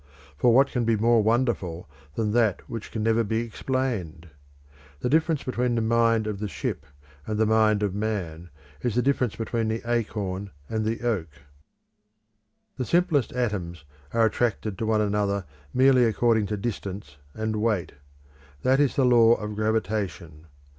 For what can be more wonderful than that which can never be explained? The difference between the mind of the ship and the mind of man is the difference between the acorn and the oak. The simplest atoms are attracted to one another merely according to distance and weight. That is the law of gravitation.